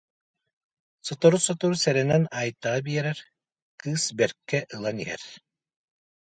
Сотору-сотору сэрэнэн Айтаҕа биэрэр, кыыс бэркэ ылан иһэр